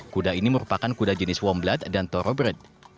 kuda ini merupakan kuda jenis womblad dan torobred